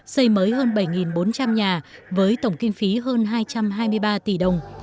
xây mới hơn bảy bốn trăm linh nhà với tổng kinh phí hơn hai trăm hai mươi ba tỷ đồng